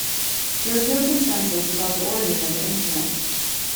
There is no consensus about the origin of the instrument.